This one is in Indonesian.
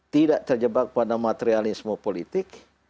tidak terjebak pada materialisme politik